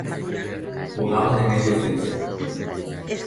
Jugaba de medio centro.